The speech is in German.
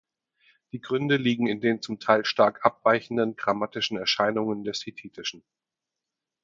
Die Gründe liegen in den zum Teil stark abweichenden grammatischen Erscheinungen des Hethitischen.